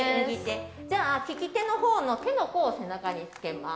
利き手のほうの手の甲を背中につけます。